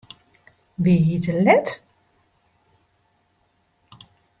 Wie hy te let?